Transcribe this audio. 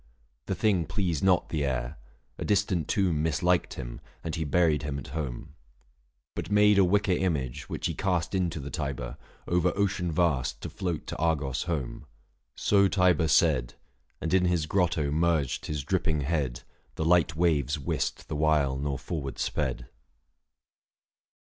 The thing pleased not the heir ; a distant tomb Misliked him, and he buried him at home. 750 But made a wicker image, which he cast Into the Tiber, over ocean vast To float to Argos home." So Tiber said, And in his grotto merged his dripping head, The light waves whist the while nor forward sped.